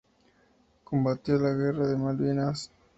Combatió en la Guerra de Malvinas.